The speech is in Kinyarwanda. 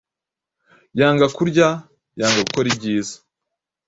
yanga kurya, yanga gukora ibyiza,